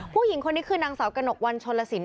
ผู้หญิงคนนี้คือนางสาวกระหนกวันชนลสิน